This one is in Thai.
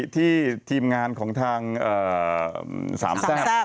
ทีมงานของทางสามแซ่บ